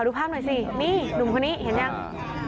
ดูภาพหน่อยสินี่หนุ่มคนนี้เห็นยัง